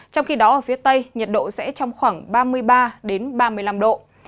trong khi đó ở phía tây nhiệt độ sẽ trong khoảng ba mươi ba ba mươi năm độ